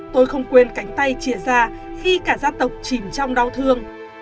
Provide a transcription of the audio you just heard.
tôi không quên cánh tay chia ra khi cả gia tộc chìm trong đau thương